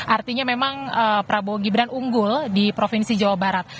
artinya memang prabowo gibran unggul di provinsi jawa barat